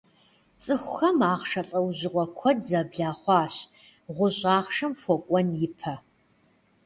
Цӏыхухэм «ахъшэ» лӏэужьыгъуэ куэд зэблахъуащ гъущӏ ахъшэм хуэкӏуэн ипэ.